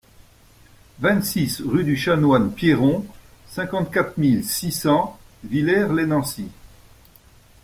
vingt-six rue du Chanoine Piéron, cinquante-quatre mille six cents Villers-lès-Nancy